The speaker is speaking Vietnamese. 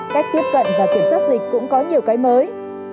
cách tiếp cận và kiểm soát dịch cũng có nhiều cái mới